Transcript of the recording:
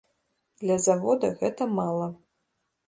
Для завода гэта мала.